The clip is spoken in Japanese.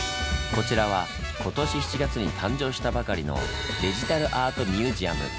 こちらは今年７月に誕生したばかりのデジタルアートミュージアム。